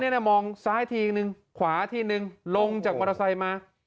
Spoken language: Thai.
นี่นะมองซ้ายทีนึงขวาทีนึงลงจากมอเตอร์ไซค์มา